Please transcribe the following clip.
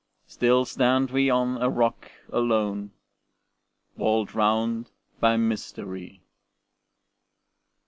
Still stand we on a rock alone, Walled round by mystery.